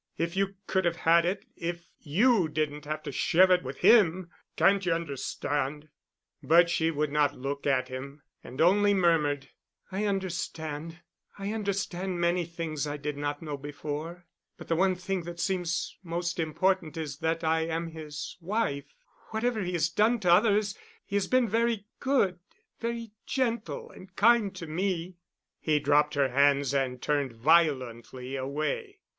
If you could have had it—if you didn't have to share it with him—can't you understand?" But she would not look at him, and only murmured, "I understand—I understand many things I did not know before. But the one thing that seems most important is that I am his wife. Whatever he has done to others, he has been very good, very gentle and kind to me." He dropped her hands and turned violently away.